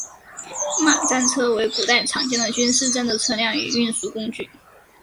马战车为古代常见的军事战斗车辆与运输工具。